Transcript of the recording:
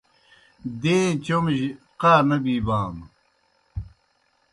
دَیݩے چومِجیْ قا نہ بِیبانوْ